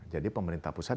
jadi pemerintah pusat